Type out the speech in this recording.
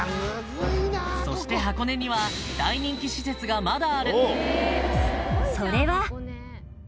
そして箱根には大人気施設がまだある！